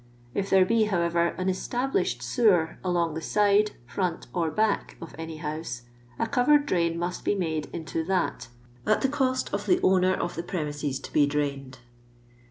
If there be, however, an established sewer, along the side, front, or back of any house, a covered drain must be made into that at the cost of the owner of the premises to be drained.